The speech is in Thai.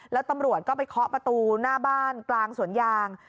แล้วตำรวจก็ไปเคาะประตูหน้าบ้านกลางสวนยาง